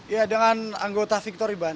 ya dengan anggota victor iban